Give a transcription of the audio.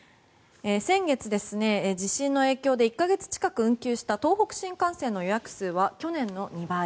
先月、地震の影響で１か月近く運休した東北新幹線の予約数は去年の２倍。